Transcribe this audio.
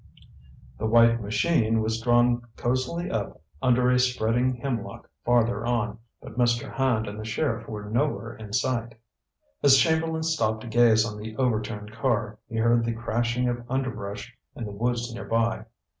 The white machine was drawn cosily up under a spreading hemlock farther on, but Mr. Hand and the sheriff were nowhere in sight. As Chamberlain stopped to gaze on the overturned car, he heard the crashing of underbrush in the woods near by.